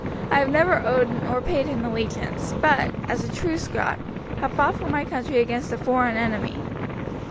I have never owed or paid him allegiance, but, as a true Scot, have fought for my country against a foreign enemy."